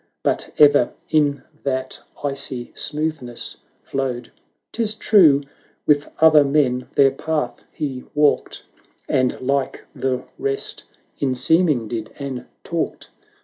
But ever in that icy smoothness flowed ! 'Tis true, with other men their path he walked, And like the rest in seeming did and talked, 396 LARA [Canto i.